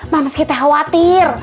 mamski teh khawatir